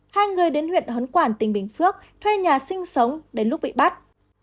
hai người đến huyện hớn quản tỉnh bình phước thuê nhà sinh sống đến lúc bị bắt